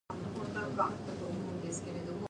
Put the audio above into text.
十四、特定司法辖区的补充隐私声明